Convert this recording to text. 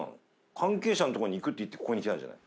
関係者のとこに行くって言って来たんじゃない。